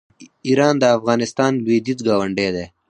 ایران د افغانستان لویدیځ ګاونډی دی.